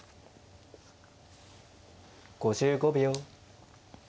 ５５秒。